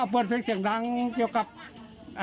เปิดเสียงรังเกี่ยวกับ